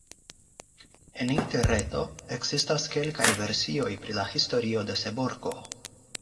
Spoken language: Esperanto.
En Interreto ekzistas kelkaj versioj pri la historio de Seborgo.